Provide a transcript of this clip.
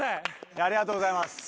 ありがとうございます。